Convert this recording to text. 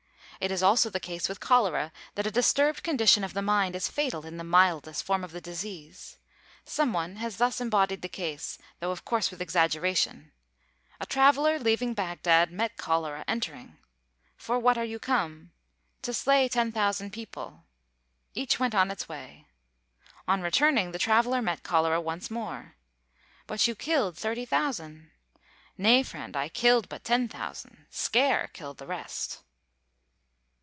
It is also the case with cholera that a disturbed condition of the mind is fatal in the mildest form of the disease. Some one has thus embodied the case, though of course with exaggeration: A traveler leaving Bagdad met Cholera entering. "For what are you come?" "To slay 10,000 people." Each went his way. On returning, the traveler met Cholera once more. "But you killed 30,000!" "Nay, friend, I killed but 10,000; scare killed the rest!"